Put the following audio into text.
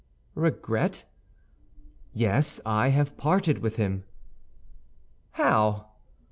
"Regret?" "Yes; I have parted with him." "How?"